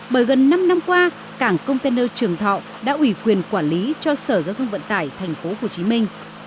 bởi gần năm năm qua cảng container trường thọ đã ủy quyền quản lý cho sở giao thông vận tải thành phố hồ chí minh